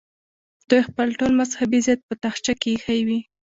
دوی خپل ټول مذهبي ضد په تاخچه کې ایښی وي.